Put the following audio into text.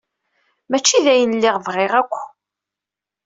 Mačči d ayen lliɣ bɣiɣ akk.